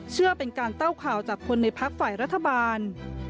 เชื่อเป็นการเต้าข่าวจากคนในพักฝ่ายรัฐบาล